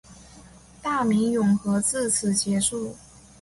大明永和至此结束。